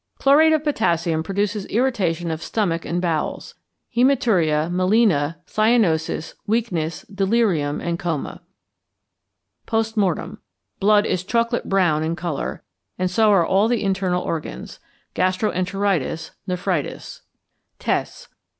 =Chlorate of Potassium= produces irritation of stomach and bowels; hæmaturia; melæna; cyanosis, weakness, delirium, and coma. Post Mortem. Blood is chocolate brown in colour, and so are all the internal organs; gastro enteritis; nephritis. _Tests.